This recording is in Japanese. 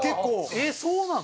えっそうなの？